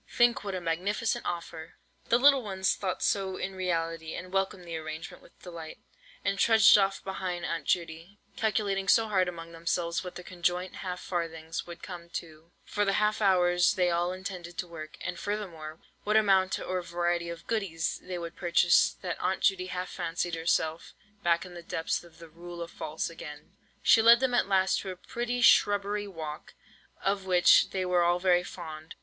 Think what a magnificent offer!" The little ones thought so in reality, and welcomed the arrangement with delight, and trudged off behind Aunt Judy, calculating so hard among themselves what their conjoint half farthings would come to, for the half hours they all intended to work, and furthermore, what amount or variety of "goodies" they would purchase, that Aunt Judy half fancied herself back in the depths of the "Rule of False" again! She led them at last to a pretty shrubbery walk, of which they were all very fond.